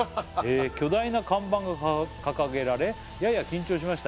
「巨大な看板が掲げられやや緊張しましたが」